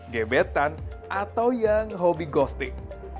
gebetan atau yang hobi ghosting